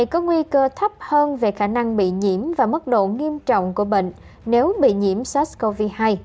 có nguy cơ thấp hơn về khả năng bị nhiễm và mức độ nghiêm trọng của bệnh nếu bị nhiễm sars cov hai